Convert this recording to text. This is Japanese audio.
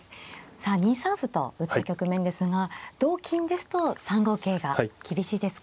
さあ２三歩と打った局面ですが同金ですと３五桂が厳しいですか。